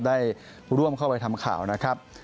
ได้ร่วมเข้าไปทำข่าวนะครับ